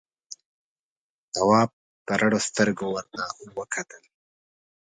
تواب په رډو سترګو ورته وکتل.